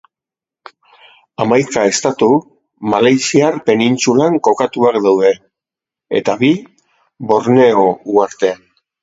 Hamaika estatu Malaysiar penintsulan kokatuak daude eta bi Borneo uhartean.